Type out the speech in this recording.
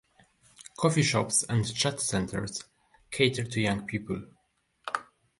Coffee shops and chat centers cater to young people.